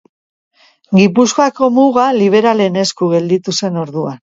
Gipuzkoako muga liberalen esku gelditu zen orduan.